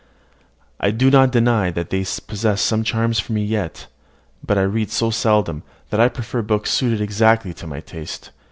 I do not deny that they even possess some charms for me yet. But I read so seldom, that I prefer books suited exactly to my taste.